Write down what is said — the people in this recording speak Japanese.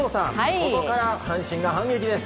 ここから阪神が反撃です。